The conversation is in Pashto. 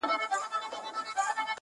څه به کوو؟؛